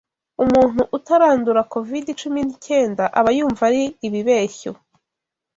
Umuntu utarandura covid cumi n'icyenda aba yumva ari ibi beshyo